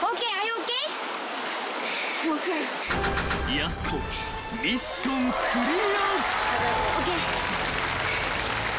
［やす子ミッションクリア］ＯＫ。